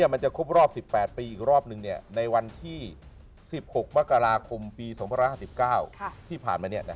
มันจะครบรอบ๑๘ปีอีกรอบหนึ่งในวันที่๑๖มกราคมปี๒๕๙ที่ผ่านมา